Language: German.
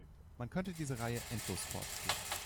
Man könnte diese Reihe endlos fortführen.